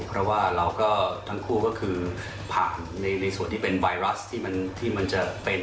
เพราะว่าเราก็ทั้งคู่ก็คือผ่านในส่วนที่เป็นไวรัสที่มันจะเป็น